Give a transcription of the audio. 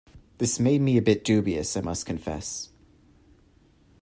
This made me a bit dubious, I must confess.